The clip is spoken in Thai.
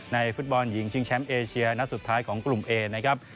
ฟุตบอลหญิงชิงแชมป์เอเชียนัดสุดท้ายของกลุ่มเอนะครับ